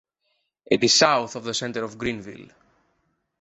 It is south of the center of Greenville.